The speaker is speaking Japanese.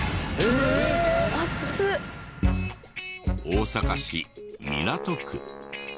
大阪市港区。